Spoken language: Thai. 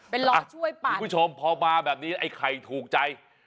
ไปรอช่วยปั่นพี่คุณผู้ชมพอมาแบบนี้ไอ้ไข่ถูกใจ